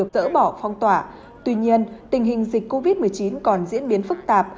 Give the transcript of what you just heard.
dỡ bỏ phong tỏa tuy nhiên tình hình dịch covid một mươi chín còn diễn biến phức tạp